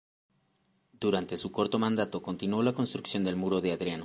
Durante su corto mandato continuó la construcción del Muro de Adriano.